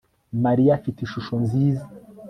Mariya afite ishusho nziza